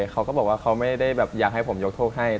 เขาก็บอกว่าเขาไม่ได้แบบอยากให้ผมยกโทษให้